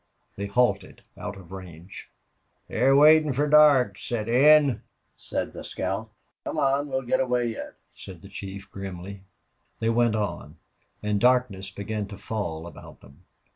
They halted out of range. "They're waitin' fer dark to set in," said the scout. "Come on! We'll get away yet," said the chief, grimly. They went on, and darkness began to fall about them.